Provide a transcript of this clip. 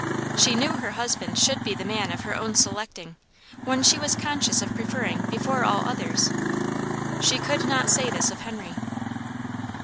She knew her husband should be the man of her own selecting, one she was conscious of preferring before all others. She could not say this of Henry.